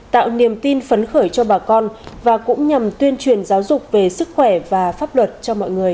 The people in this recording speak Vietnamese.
tạo niềm tin phấn khởi cho bà con và cũng nhằm tuyên truyền giáo dục về sức khỏe và pháp luật cho mọi người